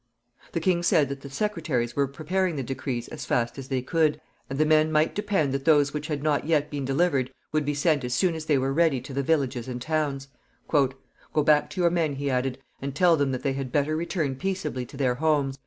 The king said that the secretaries were preparing the decrees as fast as they could, and the men might depend that those which had not yet been delivered would be sent as soon as they were ready to the villages and towns. "Go back to your men," he added, "and tell them that they had better return peaceably to their homes.